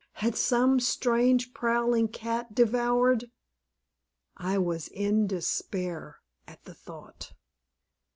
Had some strange, prowling cat devoured ? I was in despair at the thought.